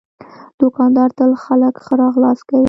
دوکاندار تل خلک ښه راغلاست کوي.